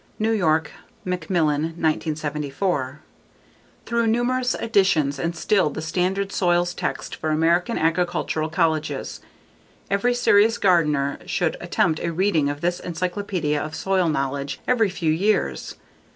New York: Macmillan, 1974. Through numerous editions and still the standard soils text for American agricultural colleges. Every serious gardener should attempt a reading of this encyclopedia of soil knowledge every few years.